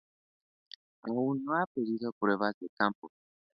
Aún no ha habido pruebas de campo.